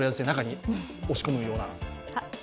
中に押し込むような。